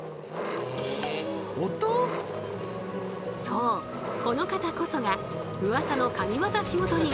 そうこの方こそがうわさの神ワザ仕事人。